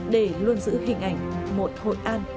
để luôn giữ hình ảnh một hội an